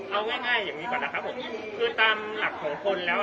เอาง่ายยังงี้ก่อนครับครับผมคือตามหลักของคนแล้ว